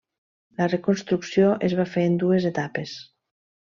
La reconstrucció es va fer en dues etapes.